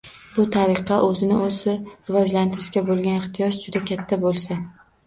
Bu tariqa o‘zini o‘zi rivojlantirishga bo‘lgan ehtiyoj juda katta bo‘lsa